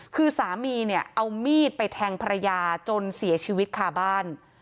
คือสามีเนี่ยเอามีดไปแทงภรรยาจนเสียชีวิตคาบ้าน